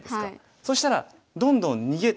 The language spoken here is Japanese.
そしたらどんどん逃げる。